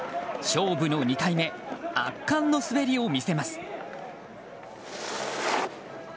勝負の２回目圧巻の滑りを見せます。